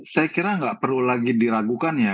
saya kira nggak perlu lagi diragukan ya